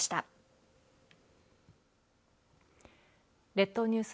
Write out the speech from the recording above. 列島ニュース